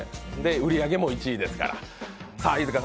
売り上げも１位ですから。